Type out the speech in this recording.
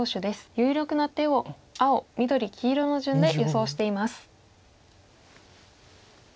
有力な手を青緑黄色の順で予想しています。